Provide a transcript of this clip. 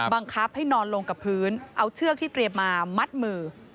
บังคับให้นอนลงกับพื้นเอาเชือกที่เตรียมมามัดมือ